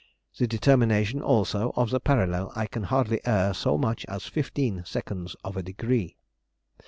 The determination also of the parallel can hardly err so much as 15 seconds of a degree.